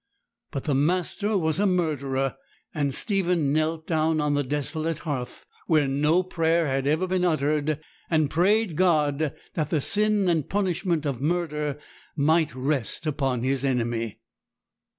But the master was a murderer; and Stephen knelt down on the desolate hearth, where no prayer had ever been uttered, and prayed God that the sin and punishment of murder might rest upon his enemy.